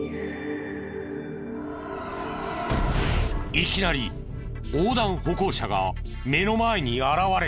いきなり横断歩行者が目の前に現れた。